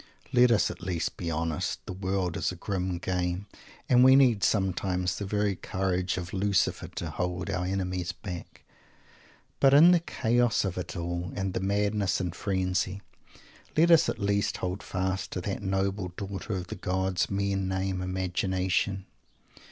Let us at least be honest. The world is a grim game, and we need sometimes the very courage of Lucifer to hold our enemies back. But in the chaos of it all, and the madness and frenzy, let us at least hold fast to that noble daughter of the gods men name _Imagination.